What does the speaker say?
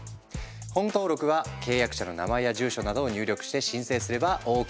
本登録は契約者の名前や住所などを入力して申請すればＯＫ！